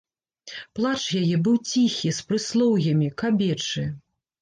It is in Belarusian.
Плач яе быў ціхі, з прыслоўямі, кабечы.